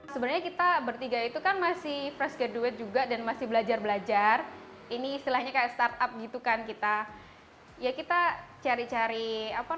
sampai saat ini mereka adalah mahasiswa yang baru lulus dan kesulitan untuk mencari pekerjaan